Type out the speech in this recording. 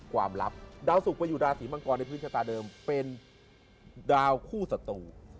ความลับเดาสุกวันอยู่ราศรีมังกรในพิวชาตาเดิมเป็นดาวคู่สัตว์